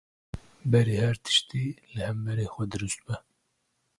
Berî her tiştî, li hemberî xwe dirust be.